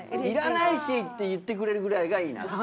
いらないしって言ってくれるぐらいがいいな。